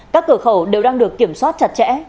các cửa khẩu đều đang được kiểm soát chặt chẽ